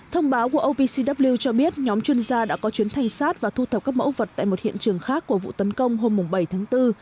thông báo của opcw cho biết nhóm chuyên gia đã có chuyến thanh sát và thu thập các mẫu vật tại một hiện trường khác của vụ tấn công hôm bảy tháng bốn